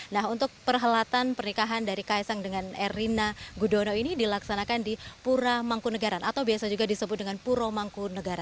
nah untuk perhelatan pernikahan dari kaisang dengan erina gudono ini dilaksanakan di pura mangkunegaran atau biasa juga disebut dengan puro mangkunegara